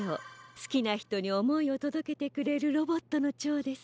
すきなひとにおもいをとどけてくれるロボットのチョウです。